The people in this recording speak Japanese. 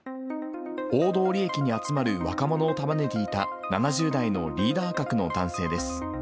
大通駅に集まる若者を束ねていた７０代のリーダー格の男性です。